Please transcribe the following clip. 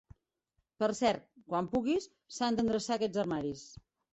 Per cert, quan puguis, s'han d'endreçar aquests armaris.